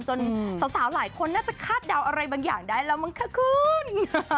สาวหลายคนน่าจะคาดเดาอะไรบางอย่างได้แล้วมั้งคะคุณ